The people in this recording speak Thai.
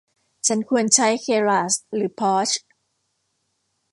ฉันควรใช้ เคราส หรือ พอทร์ช